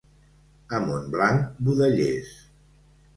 A Montblanc, budellers.